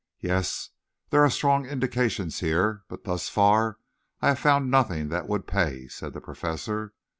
"Yes, there are strong indications here, but thus far I have found nothing that would pay," said the Professor.